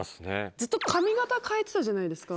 ずっと髪形変えてたじゃないですか。